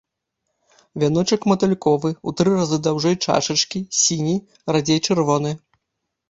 Вяночак матыльковы, у тры разы даўжэй чашачкі, сіні, радзей чырвоны.